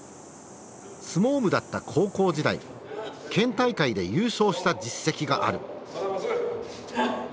相撲部だった高校時代県大会で優勝した実績がある。